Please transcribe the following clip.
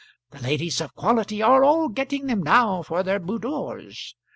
The ladies of quality are all getting them now for their boodoors.